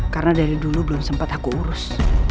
karena dari dulu belum sempat aku urus